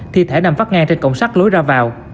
thì thể nằm phát ngang trên cổng sắt lối ra vào